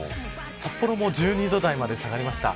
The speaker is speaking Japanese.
札幌も１２度台まで下がりました。